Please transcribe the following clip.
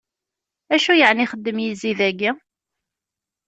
D acu yeɛni ixeddem yizi dayi!